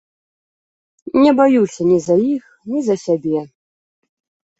Не баюся ні за іх, ні за сябе.